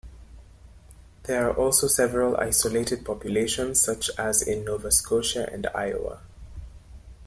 There are also several isolated populations, such as in Nova Scotia and Iowa.